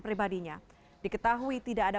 pribadinya diketahui tidak ada